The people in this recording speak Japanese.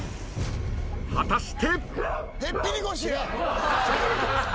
果たして。